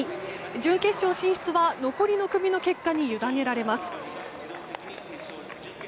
準決勝進出は残りの組の結果にゆだねられます。